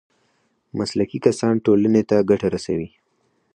مسلکي کسان ټولنې ته ګټه رسوي